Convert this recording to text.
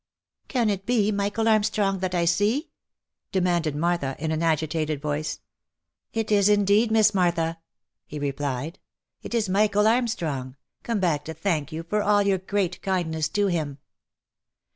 " Can it be Michael Armstrong that I see ?" demanded Martha, in an agitated voice. " It is indeed, Miss Martha !" he replied. " It is Michael Arm strong, come back to thank you for all your great kindness to him."